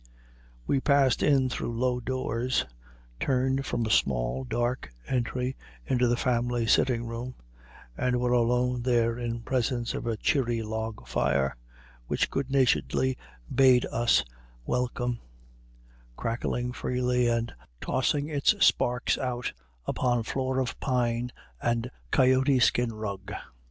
We passed in through low doors, turned from a small, dark entry into the family sitting room, and were alone there in presence of a cheery log fire, which good naturedly bade us welcome, crackling freely and tossing its sparks out upon floor of pine and coyote skin rug.